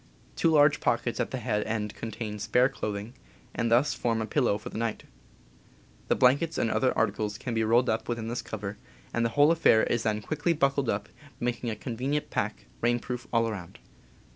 Two large pockets at the head end contain spare clothing, and thus form a pillow for the night. The blankets, and other articles, can be rolled up within this cover, and the whole affair is then quickly buckled up, making a convenient pack, rain proof all around.